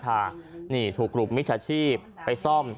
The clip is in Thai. ตราถูกกลุ่มมิชชชีพไปซ่อม